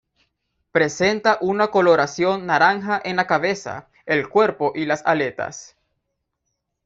Presenta una coloración naranja en la cabeza, el cuerpo y las aletas.